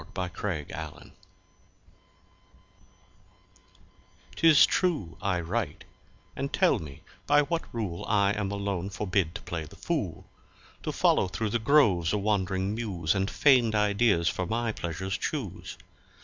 Y Z The Appology 'TIS true I write and tell me by what Rule I am alone forbid to play the fool, To follow through the Groves a wand'ring Muse And fain'd Ideas's for my pleasures chuse.